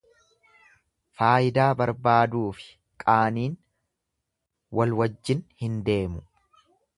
Faayidaa barbaaduufi qaaniin wal wajjin hin deemu.